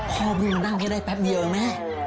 โอ้โฮพ่อพรุ่งนั่งแค่ได้แป๊บเดียวนะ